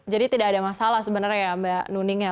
jadi tidak ada masalah sebenarnya ya mbak nuning ya